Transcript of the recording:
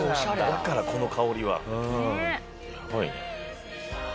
だからこの香りは。